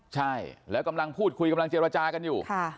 ใช่แล้วกำลังพูดคุยกำลังเจรจากันอยู่